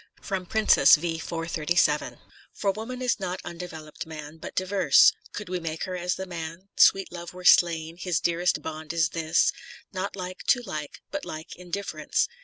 —" Princess," v. 437. For woman is not undevelopt man, But diverse : could we make her as the man. Sweet Love were slain : his dearest bond is this, Not like to like, but like in difference.